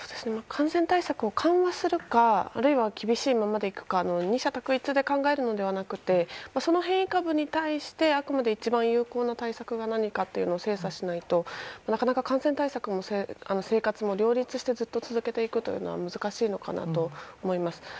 感染対策を緩和するか厳しいままにするかの二者択一で考えるのではなくてその変異株に対してあくまで一番有効な対策は何かを精査しないとなかなか感染対策も生活も両立してずっと続けていくというのは難しいのかなと思います。